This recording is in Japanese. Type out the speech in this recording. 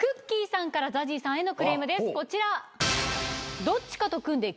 さんからＺＡＺＹさんへのクレームですこちら。